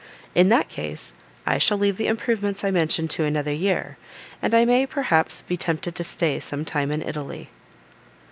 In that case I shall leave the improvements I mention to another year, and I may, perhaps, be tempted to stay some time in Italy."